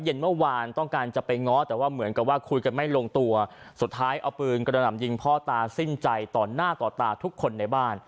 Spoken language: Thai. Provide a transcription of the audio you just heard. เมื่อวานต้องการจะไปง้อแต่ว่าเหมือนกับว่าคุยกันไม่ลงตัวสุดท้ายเอาปืนกระหน่ำยิงพ่อตาสิ้นใจต่อหน้าต่อตาทุกคนในบ้าน